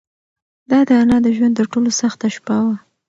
دا د انا د ژوند تر ټولو سخته شپه وه.